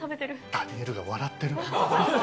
ダニエルが笑ってる。